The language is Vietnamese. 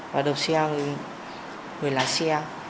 và đập xe người lái xe